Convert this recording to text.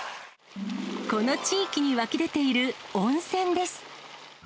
この地域に湧き出ている温泉です。